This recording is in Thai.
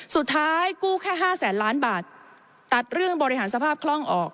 สุดท้ายกู้แค่๕แสนล้านบาทตัดเรื่องบริหารสภาพคล่องออก